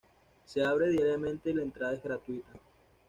Se abre diariamente y la entrada es gratuita.